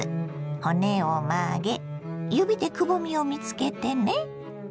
骨を曲げ指でくぼみを見つけてね。